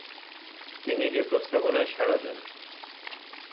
তিনি এ প্রস্তাবনায় সাড়া দেন।